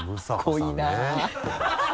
濃いな。